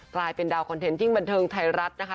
กลายเป็นดาวคอนเทนต์ที่บันเทิงไทยรัฐนะคะ